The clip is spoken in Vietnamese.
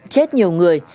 chết nhiều người